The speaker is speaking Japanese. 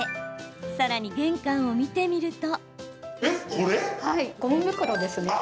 さらに、玄関を見てみると。